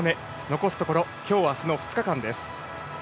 残すところ今日、あすの２日間です。